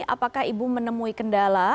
apakah ibu menemui kendala